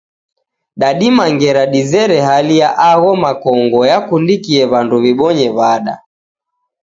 Dadima ngera dizere hali ya agho makongo yakundikie wandu wibonye wada?